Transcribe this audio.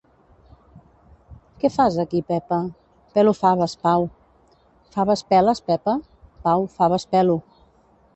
Què fas aquí, Pepa? —Pelo faves, Pau. —Faves peles, Pepa? —Pau, faves pelo.